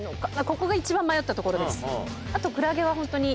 ここが一番迷ったところです。